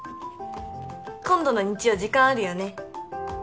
今度の日曜時間あるよね？